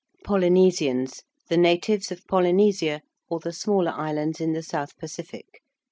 ~Polynesians~: the natives of Polynesia, or the smaller islands in the South Pacific.